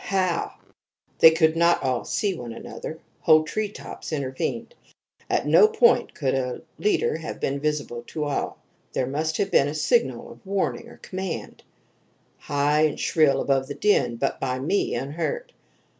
How? They could not all see one another whole treetops intervened. At no point could a leader have been visible to all. There must have been a signal of warning or command, high and shrill above the din, but by me unheard.